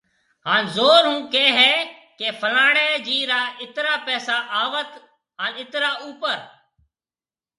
هان زور ھونڪي هي ڪي فلاڻي جي را ايترا پئسا آوت هان اترا اوپر